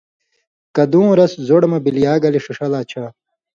کدُوں رس زوڑہۡ مہ بلیا گلے ݜِݜہ لا چھا